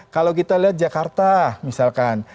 kalau kita lihat jakarta misalkan